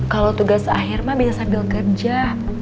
kalau tugas akhir mah bisa sambil kerja